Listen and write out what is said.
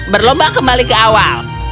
berlomba kembali ke awal